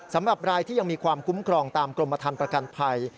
สำหรับรายที่ยังมีความคุ้มครองตามกรมฐานประกันภัย